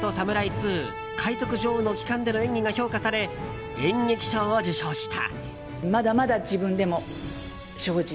２‐海賊女王の帰還‐」での演技が評価され演劇賞を受賞した。